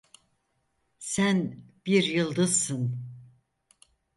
Sen bir yıldızsın.